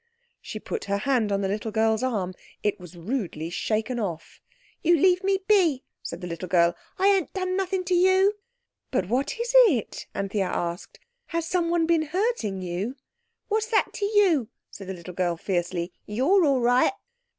She put her hand on the little girl's arm. It was rudely shaken off. "You leave me be," said the little girl. "I ain't doing nothing to you." "But what is it?" Anthea asked. "Has someone been hurting you?" "What's that to you?" said the little girl fiercely. "You're all right."